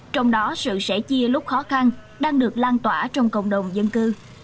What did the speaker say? trong đó sự sẻ chia lúc khó khăn đang được lan tỏa trong cộng đồng dân cư